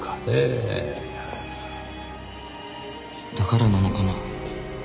だからなのかな。